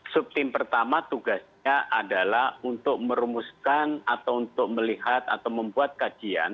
subtim pertama tugasnya adalah untuk merumuskan atau untuk melihat atau membuat kajian